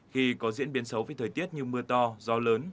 khi có diễn biến xấu với thời tiết như mưa to gió lớn